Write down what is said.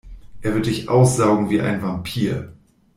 Er wird dich aussaugen wie ein Vampir.